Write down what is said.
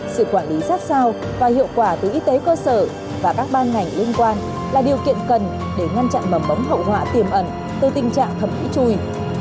sự quản lý sát sao và hiệu quả từ y tế cơ sở và các ban ngành liên quan là điều kiện cần để ngăn chặn mầm bấm hậu họa tiềm ẩn từ tình trạng thẩm mỹ chui